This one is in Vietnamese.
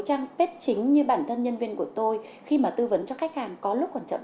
một trang bếp chính như bản thân nhân viên của tôi khi mà tư vấn cho khách hàng có lúc còn trọng